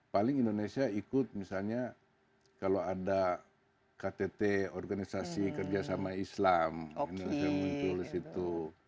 paling indonesia ikut misalnya kalau ada ktt organisasi kerjasama islam indonesia mutul gitu